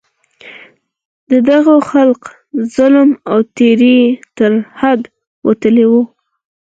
د دغو خلکو ظلم او تېری تر حده وتلی وو.